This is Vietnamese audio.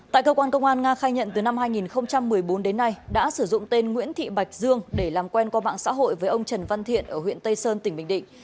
tại cơ quan công an nga khai nhận từ năm hai nghìn một mươi bốn đến nay đã sử dụng tên nguyễn thị bạch dương để làm quen qua mạng xã hội với ông trần văn thiện ở huyện tây sơn tỉnh bình định